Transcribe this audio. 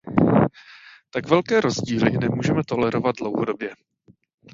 Tak velké rozdíly nemůžeme tolerovat dlouhodobě.